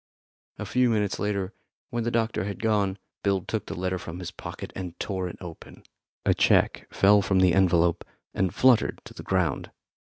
A few minutes later, when the doctor had gone, Bill took the letter from his pocket and tore it open. A cheque fell from the envelope and fluttered to the ground.